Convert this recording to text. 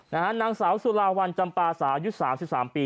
นะฮะหนังสาวสุรวัวรรณจำปาสายุทธิ์สามสิบสามปี